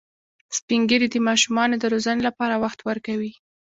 سپین ږیری د ماشومانو د روزنې لپاره وخت ورکوي